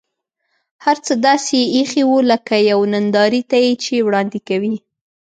هر څه داسې اېښي و لکه یوې نندارې ته یې چې وړاندې کوي.